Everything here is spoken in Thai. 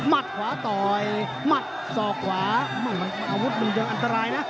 ขวาต่อยมัดศอกขวามันอาวุธมันยังอันตรายนะ